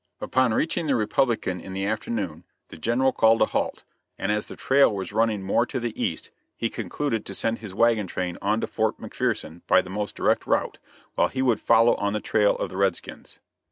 Upon reaching the Republican in the afternoon the General called a halt, and as the trail was running more to the east, he concluded to send his wagon train on to Fort McPherson by the most direct route, while he would follow on the trail of the red skins.